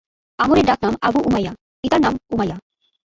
আমর এর ডাক নাম আবু উমাইয়া, পিতার নাম উমাইয়া।